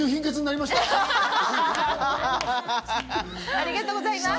ありがとうございます。